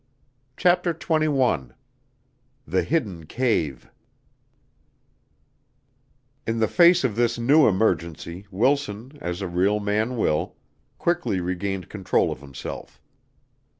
CHAPTER XXI The Hidden Cave In the face of this new emergency Wilson, as a real man will, quickly regained control of himself.